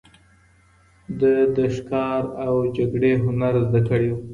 ده د ښکار او جګړې هنر زده کړی و